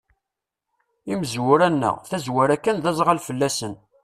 Imezwura-nneɣ, tazwara kan d aẓɣal fell-asen.